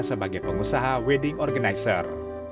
sebagai pengusaha wedding organizer